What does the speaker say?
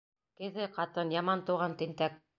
Кеҙе ҡатын, яман тыуған тинтәк